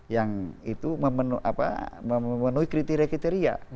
yang itu memenuhi kriteria kriteria